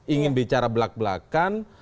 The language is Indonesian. ingin bicara belak belakan